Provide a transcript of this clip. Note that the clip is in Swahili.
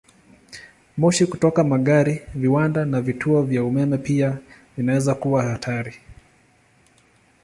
Moshi kutoka magari, viwanda, na vituo vya umeme pia vinaweza kuwa hatari.